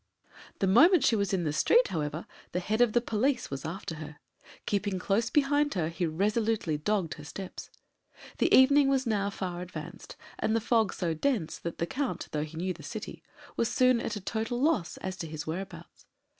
The moment she was in the street, however, the head of the police was after her. Keeping close behind her, he resolutely dogged her steps. The evening was now far advanced, and the fog so dense that the Count, though he knew the city, was soon at a total loss as to his whereabouts.